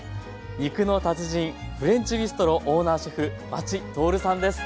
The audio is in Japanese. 肉の達人フレンチビストロオーナーシェフ和知徹さんです。